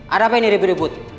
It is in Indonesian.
ada apa ini ribut ribut